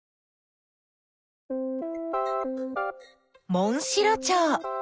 モンシロチョウ。